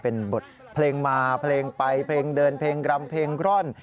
เป็นบทเพลงมาเพลงไปเพลงเดินเพลงรำเพลงร่อน